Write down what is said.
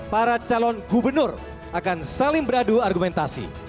para calon gubernur akan saling beradu argumentasi